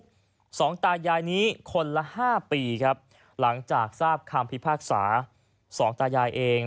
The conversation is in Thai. สองตายายนี้คนละห้าปีครับหลังจากทราบคำพิพากษาสองตายายเอง